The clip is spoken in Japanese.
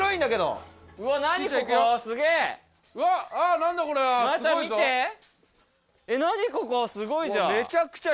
何ここすごいじゃん。